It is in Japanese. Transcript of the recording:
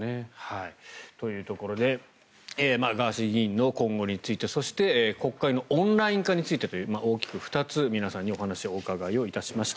というところでガーシー議員の今後についてそして国会のオンライン化についてという大きく２つ皆さんにお話をお伺いしました。